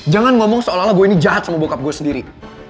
jangan ngomong seolah olah gue ini jahat sama bokap gue sendiri